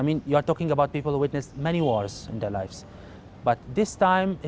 maksud saya anda berbicara tentang orang yang telah mengalami banyak perang dalam hidup mereka